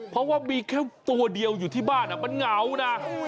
เพราะว่ามีแค่ตัวเดียวอยู่ที่บ้านมันเหงานะ